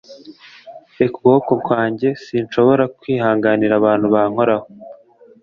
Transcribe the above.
reka ukuboko kwanjye! sinshobora kwihanganira abantu bankoraho